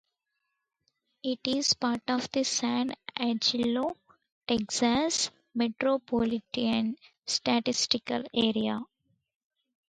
It is part of the San Angelo, Texas, Metropolitan Statistical Area.